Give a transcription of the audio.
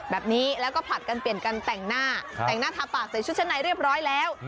แบบนี้แล้วก็ผลัดกันเปลี่ยนกันแต่งหน้าแต่งหน้าทาปากใส่ชุดชั้นในเรียบร้อยแล้ว